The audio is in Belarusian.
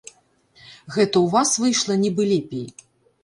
Гэта ў вас выйшла нібы лепей.